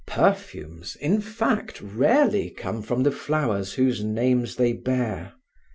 Perfumes, in fact, rarely come from the flowers whose names they bear.